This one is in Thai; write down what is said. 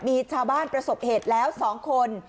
มีชาวบ้านประสบเหตุแล้ว๒คน